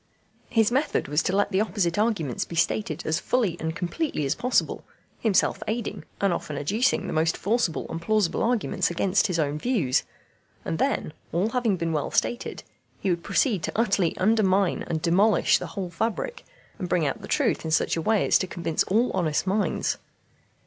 His method was to let the opposite arguments be stated as fully and completely as possible, himself aiding, and often adducing the most forcible and plausible arguments against his own views; and then, all having been well stated, he would proceed to utterly undermine and demolish the whole fabric, and bring out the truth in such a way as to convince all honest minds.